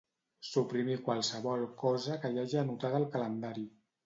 Suprimir qualsevol cosa que hi hagi anotada al calendari.